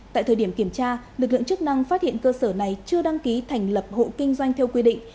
tại thời điểm kiểm tra lực lượng chức năng phát hiện cơ sở này chưa đăng ký thành lập hộ kinh doanh theo quy định